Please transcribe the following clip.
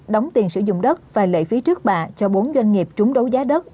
đóng tiền sử dụng đất và lệ phí trước bạ cho bốn doanh nghiệp trúng đấu giá đất